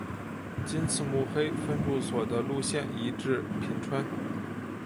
今次目黑分驻所的路线移至品川。